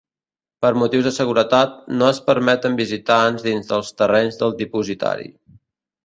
Per motius de seguretat, no es permeten visitants dins dels terrenys del dipositari.